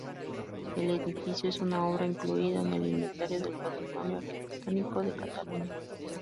El edificio es una obra incluida en el Inventario del Patrimonio Arquitectónico de Cataluña.